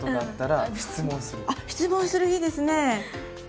質問するいいですねえ。